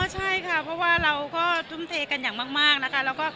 ใช่ค่ะเพราะว่าเราก็ทุ่มเทกันอย่างมากนะคะ